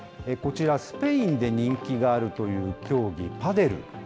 こちら、スペインで人気があるという競技、パデル。